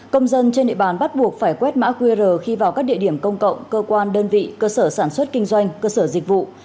công dân trên địa bàn bắt buộc phải quét mã qr khi vào các địa điểm công cộng cơ quan đơn vị cơ sở sản xuất kinh doanh cơ sở dịch vụ